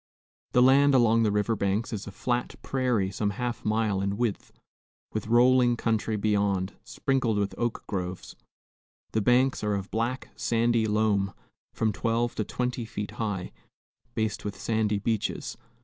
The land along the river banks is a flat prairie some half mile in width, with rolling country beyond, sprinkled with oak groves. The banks are of black, sandy loam, from twelve to twenty feet high, based with sandy beaches.